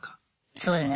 そうですね。